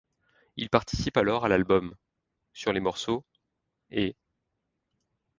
Il participe alors à l'album ' sur les morceaux ' et '.